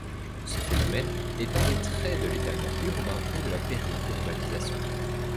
Ce phénomène est un des traits de l'étalement urbain et de la périurbanisation.